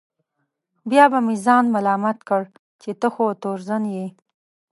بیا به مې ځان ملامت کړ چې ته خو تورزن یې.